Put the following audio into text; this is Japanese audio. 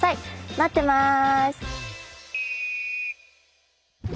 待ってます！